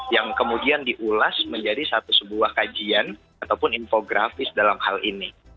yang kemudian diulas menjadi satu sebuah kajian ataupun infografis dalam hal ini